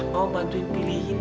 mau bantuin pilihin